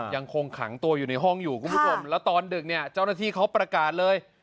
ยังคงขังตัวอยู่ในห้องอยู่คุณผู้ชมแล้วตอนดึกเนี่ยเจ้าหน้าที่เขาประกาศเลย